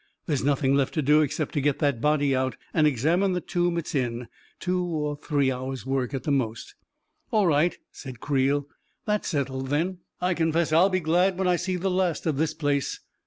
There is nothing left to do except to get that body out, and examine the tomb it is in — two or three hours* work at most." " All right," said Creel. " That's settled, then. 352 A KING IN BABYLON I confess I'll be glad when I see the last of this place !